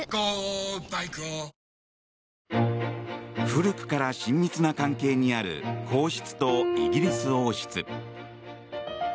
古くから親密な関係にある皇室とイギリス王室。